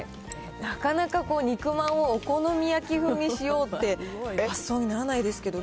なかなか肉まんをお好み焼き風にしようって、発想にならないです